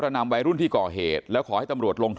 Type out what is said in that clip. แล้วหลังจากนั้นเราขับหนีเอามามันก็ไล่ตามมาอยู่ตรงนั้น